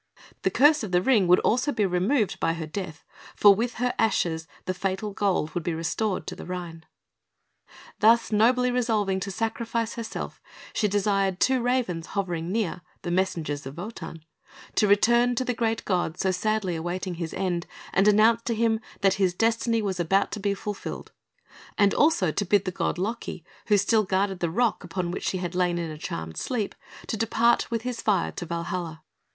The curse of the Ring would also be removed by her death, for with her ashes the fatal Gold would be restored to the Rhine. Thus nobly resolving to sacrifice herself, she desired two Ravens hovering near the messengers of Wotan to return to the great god so sadly awaiting his end, and announce to him that his destiny was about to be fulfilled; and also to bid the god Loki, who still guarded the rock upon which she had lain in a charmed sleep, to depart with his fire to Valhalla.